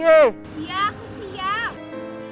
iya aku siap